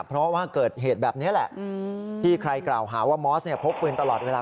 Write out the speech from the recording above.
เพราะว่าเกิดเหตุแบบนี้แหละที่ใครกล่าวหาว่ามอสพกปืนตลอดเวลา